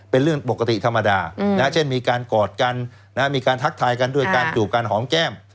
เป็นเรื่องปกติธรรมดาเช่นมีการกอดกันมีการทักทายกันด้วยการจูบกันหอมแก้ม